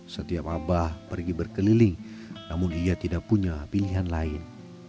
setiap abah pergi berkeliling namun ia tidak punya pilihan lain